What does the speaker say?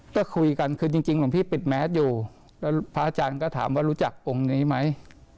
ก็คุยกันคือจริงหลวงพี่ปิดแมสอยู่แล้วพระอาจารย์ก็ถามว่ารู้จักองค์นี้ไหม